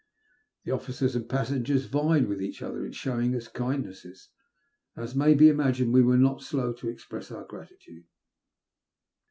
The officers and i>as8enger8 vied with each other in showing ns kindnesses, and, es may be imagined, we were not slow to express cor gratitade.